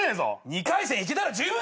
２回戦いけたら十分だろ！